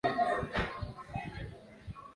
Twendeni kwetu